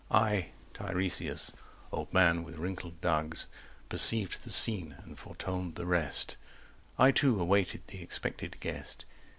I Tiresias, old man with wrinkled dugs Perceived the scene, and foretold the rest— I too awaited the expected guest.